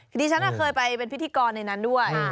ทีนี้ฉันเคยไปเป็นพิธีกรในนั้นด้วย